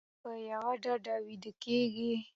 ایا په یوه ډډه ویده کیږئ؟